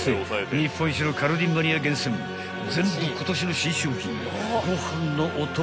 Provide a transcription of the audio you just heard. ［日本一のカルディマニア厳選全部今年の新商品］